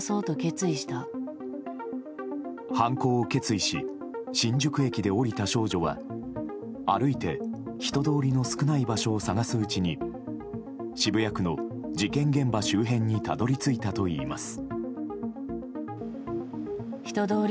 犯行を決意し新宿駅で降りた少女は歩いて人通りの少ない場所を探すうちに渋谷区の事件現場周辺にたどり着いたといいます。